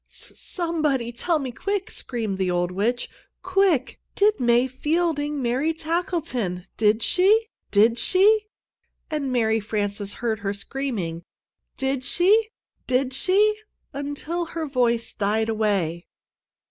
"S somebody tell me quick!" screamed the old witch. "Quick! Did May Fielding marry Tackleton? Did she? Did she?" and Mary Frances heard her screaming, "Did she? Did she?" until her voice died away.